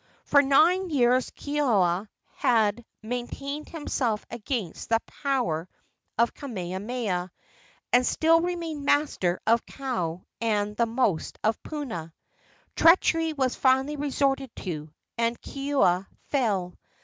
For nine years Keoua had maintained himself against the power of Kamehameha, and still remained master of Kau and the most of Puna. Treachery was finally resorted to, and Keoua fell.